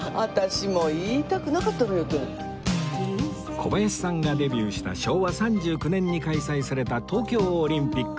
小林さんがデビューした昭和３９年に開催された東京オリンピック